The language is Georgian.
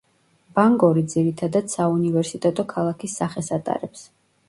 ბანგორი ძირითადად საუნივერსიტეტო ქალაქის სახეს ატარებს.